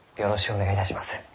お願いいたします。